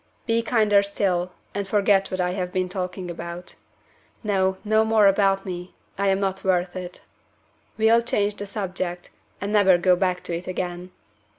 "Be kinder still, and forget what I have been talking about. No! no more about me; I am not worth it. We'll change the subject, and never go back to it again.